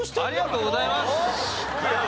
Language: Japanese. ありがとうございます！